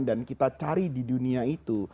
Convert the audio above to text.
dan kita cari di dunia itu